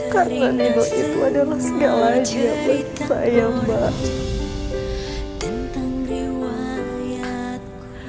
karena nino itu adalah segala yang diapun saya mbak